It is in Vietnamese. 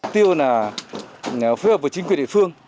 tiêu là phối hợp với chính quyền địa phương